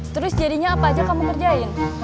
terus jadinya apa aja kamu ngerjain